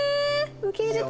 受け入れた。